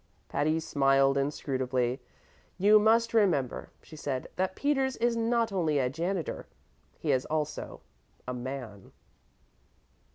Patty smiled inscrutably. "You must remember," she said, "that Peters is not only a janitor: he is also a man."